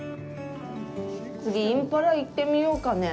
次、インパラいってみようかね。